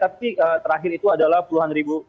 tapi terakhir itu adalah puluhan ribu